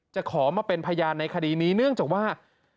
ขอมาเป็นพยานในคดีนี้เนื่องจากว่า